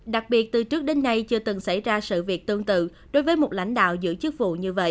đặc biệt từ trước đến nay chưa từng xảy ra sự việc tương tự đối với một lãnh đạo giữ chức vụ như vậy